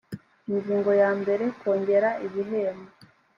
ingingo ya mbere kongera ibihembo